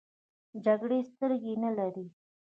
جګړې سترګې نه لري .